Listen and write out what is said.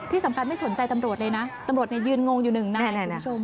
ที่สำคัญไม่สนใจตำรวจเลยนะตำรวจเนี่ยยืนงงอยู่หนึ่งนะครับคุณผู้ชม